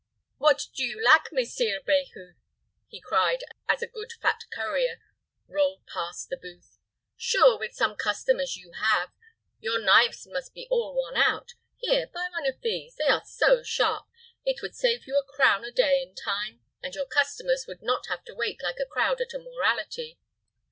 "What do you lack, Messire Behue?" he cried, as a good fat currier rolled past the booth. "Sure, with such custom as you have, your knives must be all worn out. Here, buy one of these. They are so sharp, it would save you a crown a day in time, and your customers would not have to wait like a crowd at a morality."